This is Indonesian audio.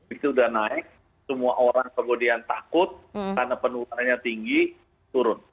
itu sudah naik semua orang kemudian takut karena penularannya tinggi turun